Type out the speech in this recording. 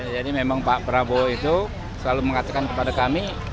jadi memang pak prabowo itu selalu mengatakan kepada kami